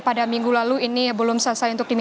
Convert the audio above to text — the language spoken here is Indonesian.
pada minggu lalu ini belum selesai